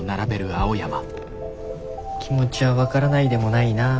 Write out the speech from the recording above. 気持ちは分からないでもないなあ。